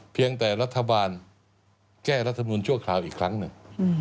เพียงแต่รัฐบาลแก้รัฐมนุนชั่วคราวอีกครั้งหนึ่ง